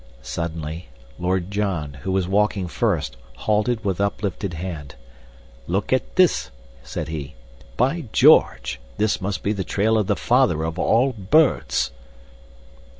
Suddenly Lord John, who was walking first, halted with uplifted hand. "Look at this!" said he. "By George, this must be the trail of the father of all birds!"